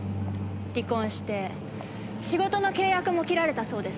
離婚して仕事の契約も切られたそうですね。